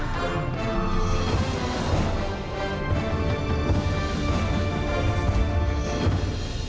โปรดติดตามตอนต่อไป